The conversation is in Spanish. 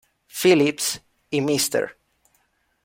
Phillips y Mr.